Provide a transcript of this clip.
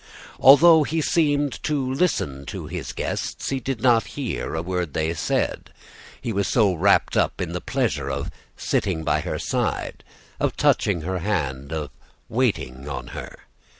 Although he seemed to listen to the guests, he did not hear a word that they said, he was so wrapped up in the pleasure of sitting by her side, of touching her hand, of waiting on her.